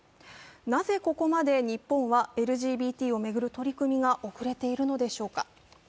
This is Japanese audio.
なぜここまで日本はＬＧＢＴを巡る取り組みが遅れているのでしょうか。